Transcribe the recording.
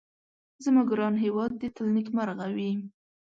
زما ګران هيواد دي تل نيکمرغه وي